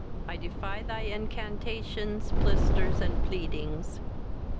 I defy thy incantations, plisters, and pleedings."